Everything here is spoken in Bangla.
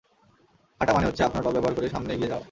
হাটা মানে হচ্ছে আপনার পা ব্যবহার করে সামনে এগিয়ে যাওয়া।